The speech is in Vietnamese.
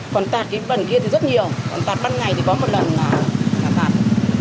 còn tạt cái vần kia thì rất nhiều còn tạt ban ngày thì có một lần là phạt